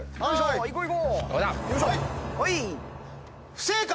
不正解。